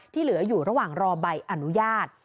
เหลืออยู่ระหว่างรอใบอนุญาต